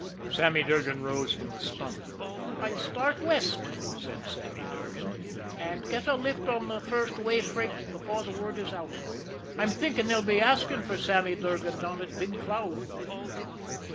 Sammy Durgan rose from the stump. "I'll start West," said Sammy Durgan, "and get a lift on the first way freight before the word is out. I'm thinking they'll be asking for Sammy Durgan down at Big Cloud."